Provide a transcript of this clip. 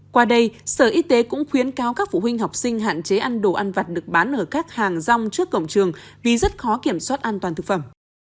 qua đây sở y tế cũng khuyến cáo các phụ huynh học sinh hạn chế ăn đồ ăn vặt được bán ở các hàng rong trước cổng trường vì rất khó kiểm soát an toàn thực phẩm